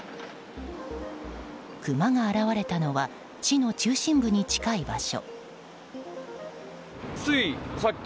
クマが現れたのは市の中心部に近い場所。